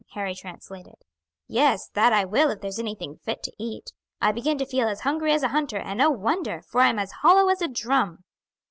Harry translated. "Yes, that I will if there's anything fit to eat. I begin to feel as hungry as a hunter, and no wonder, for I am as hollow as a drum!"